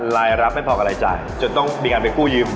รายรับไม่พอกับรายจ่ายจนต้องมีการไปกู้ยืม